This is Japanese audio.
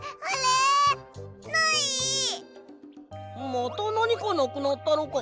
またなにかなくなったのか？